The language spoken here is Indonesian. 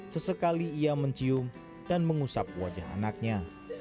sesekali ia mencium dan mengusap wajah anaknya